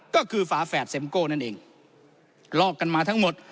ก็คือฝาแฝดเซ็มโก้นั่นเองลอกกันมาทั้งหมด